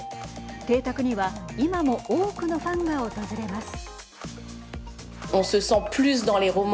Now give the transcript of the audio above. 邸宅には今も多くのファンが訪れます。